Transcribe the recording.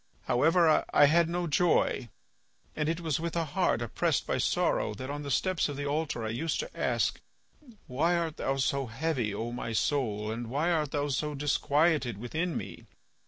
However, I had no joy, and it was with a heart oppressed by sorrow that, on the steps of the altar I used to ask, 'Why art thou so heavy, O my soul, and why art thou so disquieted within me?